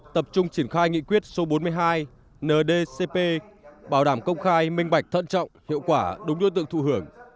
tập trung triển khai nghị quyết số bốn mươi hai ndcp bảo đảm công khai minh bạch thận trọng hiệu quả đúng đối tượng thụ hưởng